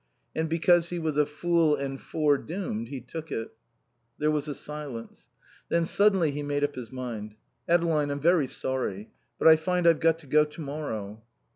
And because he was a fool and foredoomed he took it. There was a silence. Then suddenly he made up his mind. "Adeline, I'm very sorry, but I find I've got to go to morrow."